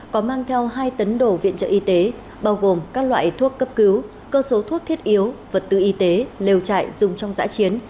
có mang theo hai tấn đổ viện trợ y tế bao gồm các loại thuốc cấp cứu cơ số thuốc thiết yếu vật tư y tế lều trại dùng trong giã chiến